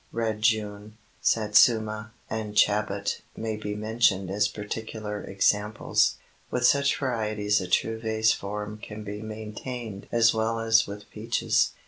Red June, Satsuma, and Chabot may be mentioned as particular examples. With such varieties a true vase form can be maintained as well as with peaches.